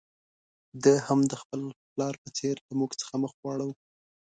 ده هم د خپل پلار په څېر له موږ څخه مخ واړاوه.